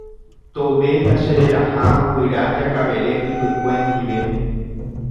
tove tachereraha guyra Jakavere Ypykue ndive.